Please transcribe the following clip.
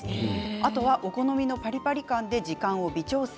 あとお好みのパリパリ感で時間を微調整。